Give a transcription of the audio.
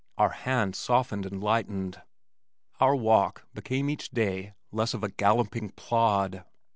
Our hands softened and lightened. Our walk became each day less of a "galumping plod."